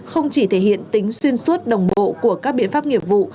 không chỉ thể hiện tính xuyên suốt đồng bộ của các biện pháp nghiệp vụ